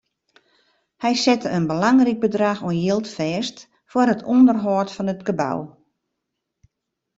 Hy sette in belangryk bedrach oan jild fêst foar it ûnderhâld fan it gebou.